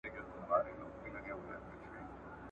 موږ د جنګونو نغارو ته نڅېدل زده کړي ..